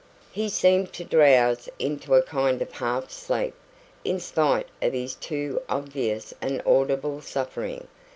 He seemed to drowse into a kind of half sleep, in spite of his too obvious and audible suffering.